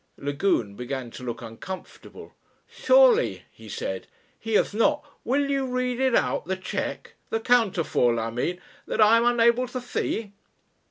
Lagune began to look uncomfortable. "Surely," he said, "he has not Will you read it out the cheque, the counterfoil I mean, that I am unable to see?"